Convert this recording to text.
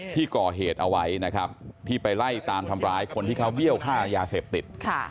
ที่ก่อเหตุเอาไว้นะครับที่ไปไล่ตามทำร้ายคนที่เขาเบี้ยวค่ายาเสพติด